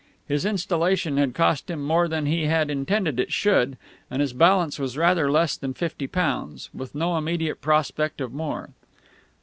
His installation had cost him more than he had intended it should, and his balance was rather less than fifty pounds, with no immediate prospect of more.